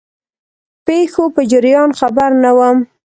پیښو په جریان خبر نه وو.